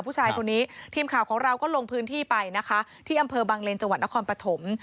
ผู้ชายคนนี้ทีมข่าวของเราก็ลงพื้นที่ไปนะคะที่อำเภอบังเลนจังหวัดนครปฐม